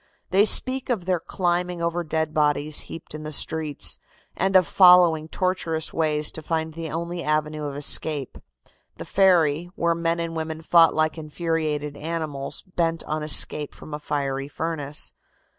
They speak of their climbing over dead bodies heaped in the streets, and of following tortuous ways to find the only avenue of escape the ferry, where men and women fought like infuriated animals, bent on escape from a fiery furnace.